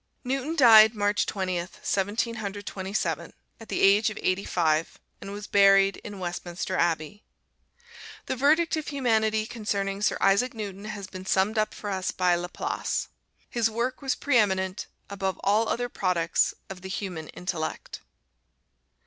Newton died March Twentieth, Seventeen Hundred Twenty seven, at the age of eighty five, and was buried in Westminster Abbey. The verdict of humanity concerning Sir Isaac Newton has been summed up for us thus by Laplace: "His work was pre eminent above all other products of the human intellect."